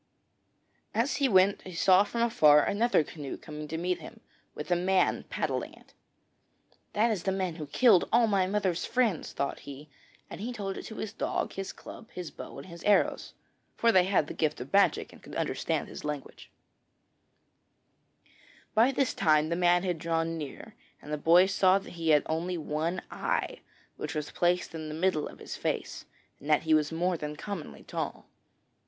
As he went he saw from afar another canoe coming to meet him, with a man paddling it. 'That is the man who killed all my mother's friends,' thought he, and he told it to his dog, his club, his bow and his arrows, for they had the gift of magic and could understand his language. [Illustration: THE GIRL BATHED HIM EVERY MORNING IN THE POOL.] By this time the man had drawn near, and the boy saw that he had only one eye, which was placed in the middle of his face, and that he was more than commonly tall.